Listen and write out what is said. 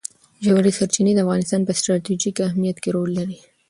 ژورې سرچینې د افغانستان په ستراتیژیک اهمیت کې رول لري.